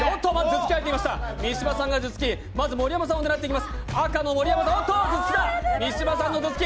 三島さんが頭突き、まずは盛山さんを狙っていきます。